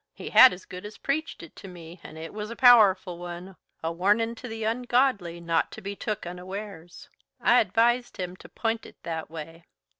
He had as good as preached it to me, and it was a powerful one, a warnin' to the ungodly not to be took unawares. I advised him to p'int it that way.